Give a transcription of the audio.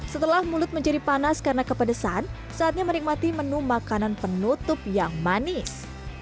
setelah mulut menjadi panas karena kepedesan saatnya menikmati menu makanan penutup yang manis